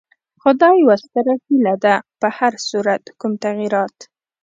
خو دا یوه ستره هیله ده، په هر صورت کوم تغیرات.